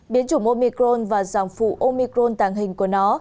biến chủng momicron và dòng phụ omicron tàng hình của nó